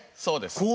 そうです。